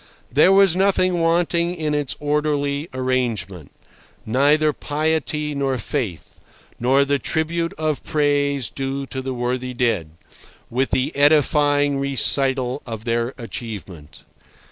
There was nothing wanting in its orderly arrangement—neither piety nor faith, nor the tribute of praise due to the worthy dead, with the edifying recital of their achievement.